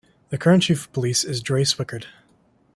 The current Chief of Police is Dray Swicord.